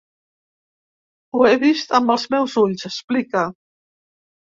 Ho he vist amb els meus ulls, explica.